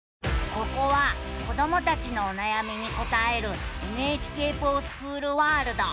ここは子どもたちのおなやみに答える「ＮＨＫｆｏｒＳｃｈｏｏｌワールド」。